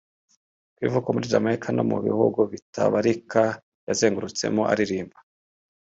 Ku ivuko muri Jamaica no mu bihugu bitabarika yazengurutsemo aririmba